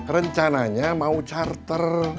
rencananya mau charter